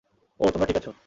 ওহ, তোমরা ঠিক আছ।